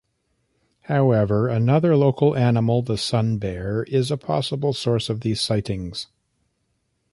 However, another local animal, the sun bear, is a possible source of these sightings.